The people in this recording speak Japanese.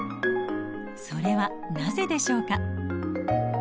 それはなぜでしょうか？